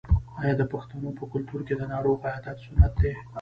آیا د پښتنو په کلتور کې د ناروغ عیادت سنت نه دی؟